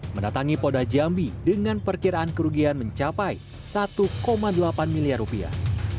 mendatangi polda jambi dengan perkiraan kerugian mencapai satu delapan miliar rupiah